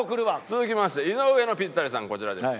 続きまして井上のピッタリさんこちらです。